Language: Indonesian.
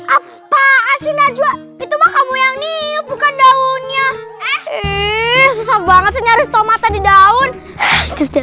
apa sih najwa itu mah kamu yang nih bukan daunnya eh susah banget nyaris tomatanya